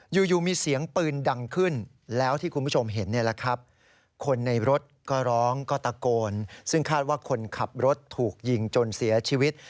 อยู่มีเสียงปืนดังขึ้นแล้วที่คุณผู้ชมเห็นเนี่ยแหละครับคนในรถก็ร้องก็ตะโกนซึ่งคาดว่าคนขับรถถูกยิงจนเสียชีวิต